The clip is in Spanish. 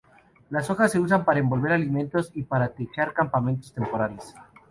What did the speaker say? Las hojas se usan para envolver alimentos y para techar campamentos temporales.